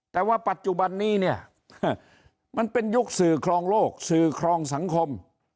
แต่ว่าปัจจุบันนี้เนี่ยมันเป็นยุคสื่อครองโลกสื่อครองสังคม